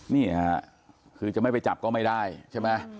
นี่ค่ะคือจะไม่ไปจับก็ไม่ได้ใช่ไหม